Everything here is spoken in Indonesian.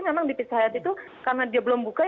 memang di pizza hayat itu karena dia belum buka